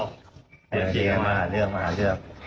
อาหารโปรคี้เลือก